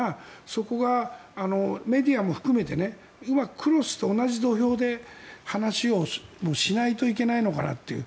そこがメディアも含めてうまくクロスして同じ土俵で話をしないといけないのかなという。